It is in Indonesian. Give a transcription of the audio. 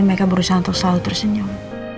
mereka berusaha untuk selalu tersenyum